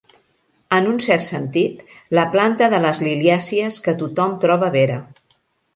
En un cert sentit, la planta de les liliàcies que tothom troba vera.